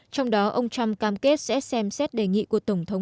trong đó ông trump cam kết sẽ xem xét đề nghị của tổng thống